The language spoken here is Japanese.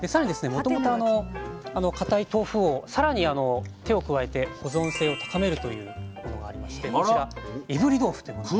もともと固い豆腐をさらに手を加えて保存性を高めるというものがありましてこちらいぶり豆腐というものが。